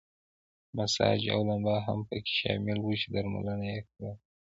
مساج او لمبا هم پکې شامل وو چې درملنه یې کوله.